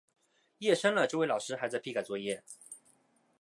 夜深了，这位老师还在批改作业